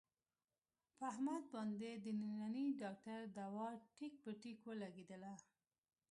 په احمد باندې د ننني ډاکټر دوا ټیک په ټیک ولږېدله.